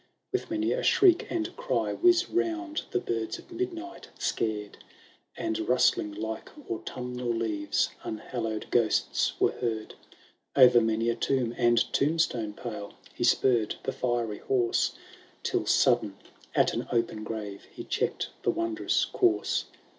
With many a shriek and cry whiz round The birds of midnight, scared ; And rustling like autumnal leaves Unhallowed ghosts were heard. LSI O'er many a tomb and tombstone pale He spurred the fiery horse, Till sudden at an open grave He checked the wondrous course.